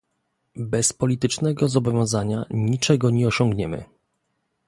Bez politycznego zobowiązania niczego nie osiągniemy